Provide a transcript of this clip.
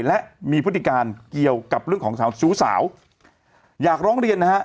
และมีพฤติการเกี่ยวกับเรื่องของสาวชู้สาวอยากร้องเรียนนะฮะ